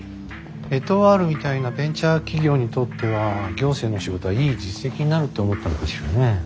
エトワールみたいなベンチャー企業にとっては行政の仕事はいい実績になるって思ったのかしらね。